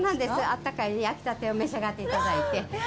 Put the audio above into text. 温かい焼きたてを召し上がっていただいて。